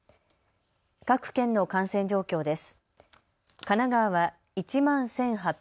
各県の感染状況です。